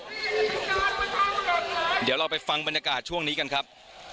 เดี๋ยวเราไปฟังบรรยากาศช่วงนี้กันครับ